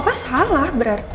papa salah berarti